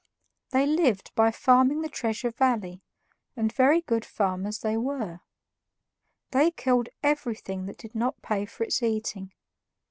They lived by farming the Treasure Valley, and very good farmers they were. They killed everything that did not pay for its eating.